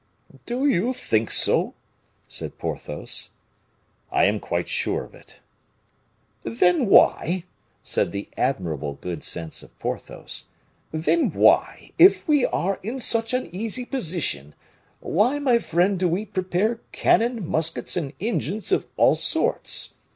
"Do you think so?" said Porthos. "I am quite sure of it." "Then why," said the admirable good sense of Porthos, "then why, if we are in such an easy position, why, my friend, do we prepare cannon, muskets, and engines of all sorts?